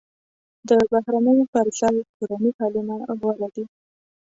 د بهرنیو پر ځای کورني حلونه غوره دي.